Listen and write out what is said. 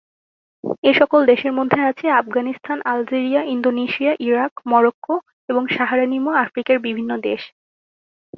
এসকল দেশের মধ্যে আছে Afghanistan, Algeria, Indonesia, Iraq, Morocco, এবং সাহারা-নিম্ন আফ্রিকার বিভিন্ন দেশ।